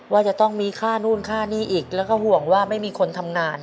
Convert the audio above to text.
ว่าจะต้องมีค่านู่นค่านี่อีกแล้วก็ห่วงว่าไม่มีคนทำงาน